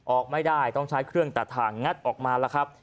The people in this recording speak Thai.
ออกไม่ได้ต้องใช้เครื่องตัดถ่างงัดออกมาแล้วครับ